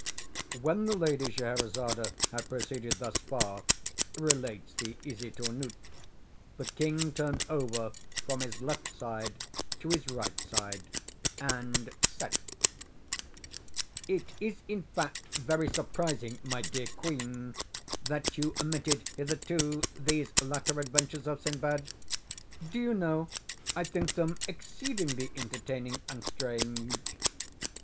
'" When the Lady Scheherazade had proceeded thus far, relates the "Isitsöornot," the king turned over from his left side to his right, and said: "It is, in fact, very surprising, my dear queen, that you omitted, hitherto, these latter adventures of Sinbad. Do you know I think them exceedingly entertaining and strange?"